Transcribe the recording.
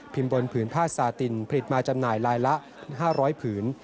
บนผืนผ้าสาตินผลิตมาจำหน่ายลายละ๕๐๐ผืน